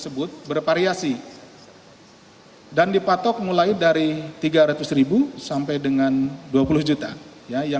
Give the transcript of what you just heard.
kemudian besaran uang untuk mendapatkan lancar